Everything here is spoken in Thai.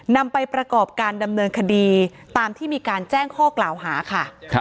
นำไปประกอบการดำเนินคดีตามที่มีการแจ้งข้อกล่าวหาค่ะ